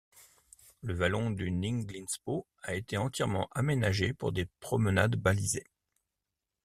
Le vallon du Ninglinspo a été entièrement aménagé pour des promenades balisées.